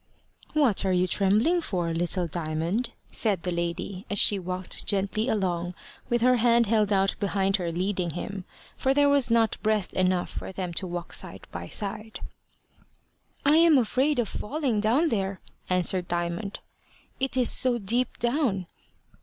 "What are you trembling for, little Diamond?" said the lady, as she walked gently along, with her hand held out behind her leading him, for there was not breadth enough for them to walk side by side. "I am afraid of falling down there," answered Diamond. "It is so deep down."